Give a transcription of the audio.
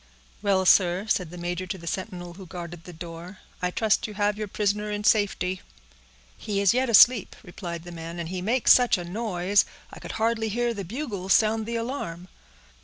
"Well, sir," said the major to the sentinel who guarded the door, "I trust you have your prisoner in safety." "He is yet asleep," replied the man, "and he makes such a noise, I could hardly hear the bugles sound the alarm."